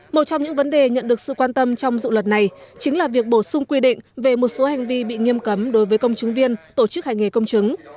một trong những vấn đề nhận được sự quan tâm trong dự luật này chính là việc bổ sung quy định về một số hành vi bị nghiêm cấm đối với công chứng viên tổ chức hành nghề công chứng